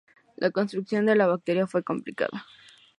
La construcción de la batería fue complicada.